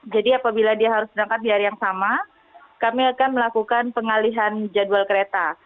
jadi apabila dia harus berangkat di hari yang sama kami akan melakukan pengalihan jadwal kereta